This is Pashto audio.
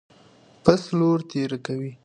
پښ لور تېره کوي.